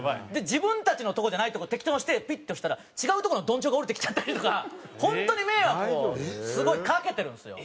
自分たちのとこじゃないとこを適当に押してピッて押したら違うとこのどん帳が下りてきちゃったりとか本当に迷惑をすごいかけてるんですよ。